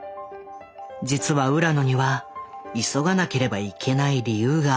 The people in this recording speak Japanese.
実は浦野には急がなければいけない理由があった。